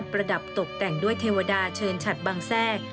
ระดับตกแต่งด้วยเทวดาเชิญฉัดบางแทรก